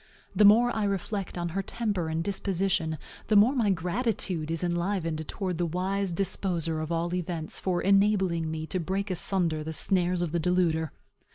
The more I reflect on her temper and disposition, the more my gratitude is enlivened towards the wise Disposer of all events for enabling me to break asunder the snares of the deluder.